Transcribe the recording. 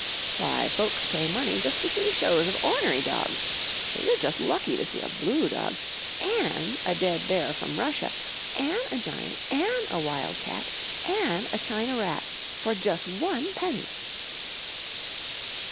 Why, folks pay money jus' to see shows of ornery dogs so you're jus' lucky to see a blue dog an' a dead bear from Russia an' a giant, an' a wild cat, an' a China rat for jus' one penny."